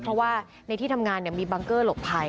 เพราะว่าในที่ทำงานมีบังเกอร์หลบภัย